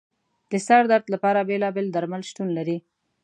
د سر درد لپاره بېلابېل درمل شتون لري.